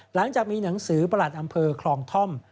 หลังจากมีหนังสือประหลัดอำเภอคลองท่อม